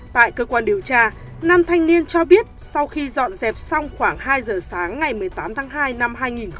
tại cơ quan điều tra nam thanh niên cho biết sau khi dọn dẹp xong khoảng hai giờ sáng ngày một mươi tám tháng hai năm hai nghìn hai mươi